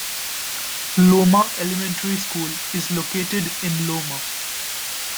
Loma Elementary School is located in Loma.